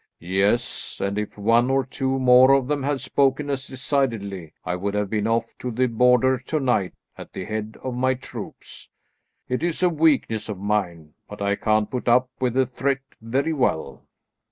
"Yes, and if one or two more of them had spoken as decidedly, I would have been off to the Border to night at the head of my troops. It is a weakness of mine, but I can't put up with a threat very well."